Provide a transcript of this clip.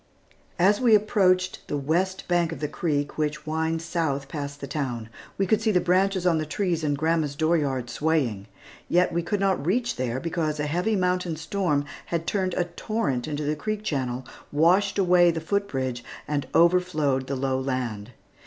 As we approached the west bank of the creek, which winds south past the town, we could see the branches on the trees in grandma's dooryard swaying. Yet we could not reach there, because a heavy mountain storm had turned a torrent into the creek channel, washed away the foot bridge, and overflowed the low land.